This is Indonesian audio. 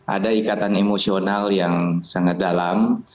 ada ikatan emosional yang sangat dalam